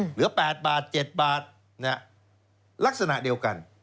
เหลือ๘บาท๗บาทลักษณะเดียวกัน